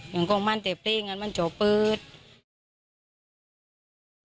อย่างกองมันเต็บเร่งกันมันจบเปิด